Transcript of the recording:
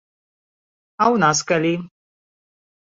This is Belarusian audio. А ў нас калі?